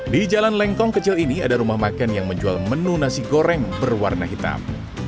di jalan lengkong kecil ini ada rumah makan yang menjual menu nasi goreng berwarna hitam